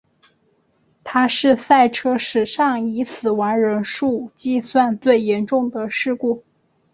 它是赛车史上以死亡人数计算最严重的事故。